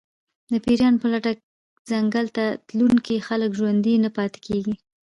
د پېریانو په لټه ځنګل ته تلونکي خلک ژوندي نه پاتې کېږي.